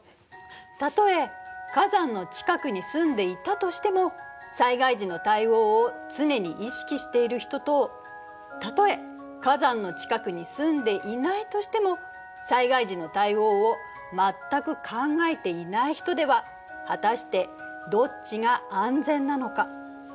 たとえ火山の近くに住んでいたとしても災害時の対応を常に意識している人とたとえ火山の近くに住んでいないとしても災害時の対応を全く考えていない人では果たしてどっちが安全なのか。